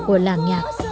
của làng nhạc